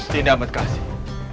dinda amat kasih